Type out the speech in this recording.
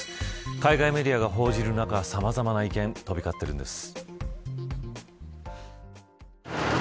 海外メディアが報じる中さまざまな意見飛び交っているんです。